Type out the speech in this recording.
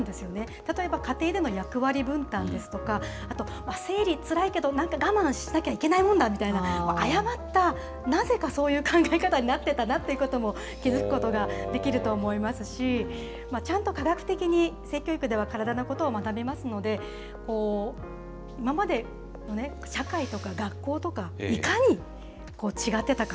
例えば家庭での役割分担ですとか、あと生理、つらいけど、なんか我慢しなきゃいけないもんだみたいな、誤った、なぜかそういう考え方になってたなってことも気付くことができると思いますし、ちゃんと科学的に性教育では体のことを学べますので、今まで社会とか学校とか、いかに違ってたか。